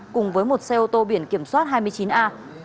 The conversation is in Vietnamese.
cùng với một xe ô tô biển kiểm soát hai mươi chín a tám mươi bảy nghìn bảy mươi